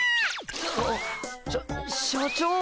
あっしゃ社長！